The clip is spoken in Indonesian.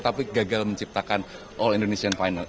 tapi gagal menciptakan all indonesian final